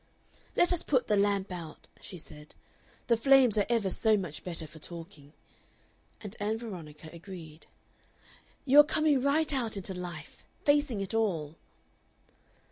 "Let us put the lamp out," she said; "the flames are ever so much better for talking," and Ann Veronica agreed. "You are coming right out into life facing it all."